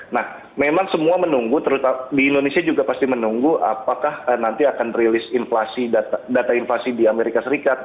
nah memang semua menunggu di indonesia juga pasti menunggu apakah nanti akan rilis data inflasi di amerika serikat